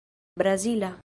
brazila